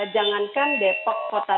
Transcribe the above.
jangankan depok kota